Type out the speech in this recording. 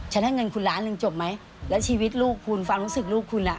ได้เงินคุณล้านหนึ่งจบไหมแล้วชีวิตลูกคุณความรู้สึกลูกคุณล่ะ